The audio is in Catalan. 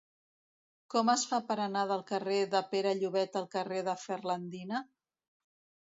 Com es fa per anar del carrer de Pere Llobet al carrer de Ferlandina?